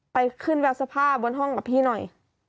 ไปขึ้นแววสภาพบนห้องกับพี่หน่อย